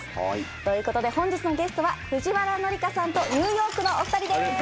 ということで本日のゲストは藤原紀香さんとニューヨークのお二人です。